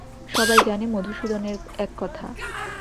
সবাই জানে মধুসূদনের এক কথা।